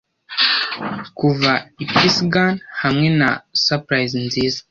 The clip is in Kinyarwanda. Kuva i Pisgah hamwe na Surprise nziza,